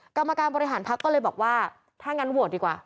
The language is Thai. กรรมการบริหารพักก็เลยบอกว่าถ้างั้นโหวตดีกว่า